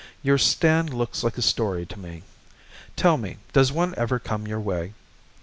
Your stand looks like a story to me. Tell me, does one ever come your way?